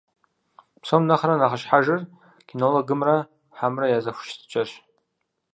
Псом нэхърэ нэхъыщхьэжыр кинологымрэ хьэмрэ я зэхущытыкӀэрщ.